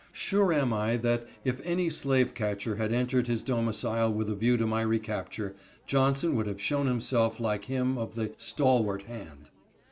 Sure am I that, if any slave catcher had entered his domicile with a view to my recapture, Johnson would have shown himself like him of the "stalwart hand."